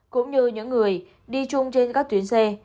cũng như những người đi chung trên các tuyến xe